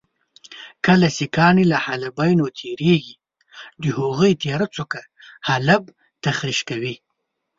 کله چې کاڼي له حالبینو تېرېږي د هغوی تېره څوکه حالب تخریش کوي.